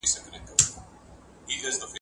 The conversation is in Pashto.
کارګرانو په خپل کار کي هيڅ مهارت نه و ترلاسه کړی.